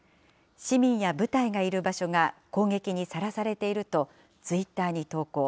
市民や部隊がいる場所が攻撃にさらされていると、ツイッターに投稿。